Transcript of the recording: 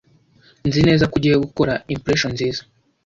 Nzi neza ko ugiye gukora impression nziza.